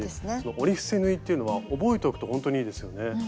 折り伏せ縫いっていうのは覚えておくとほんとにいいですよね。